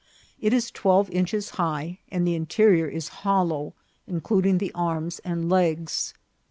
It is twelve inches high, and the interior is hollow, in cluding the arms and legs.